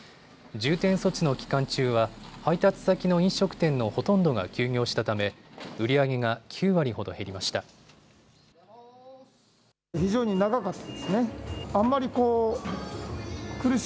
重点措置の期間中は配達先の飲食店のほとんどが休業したため売り上げが９割ほど減りました。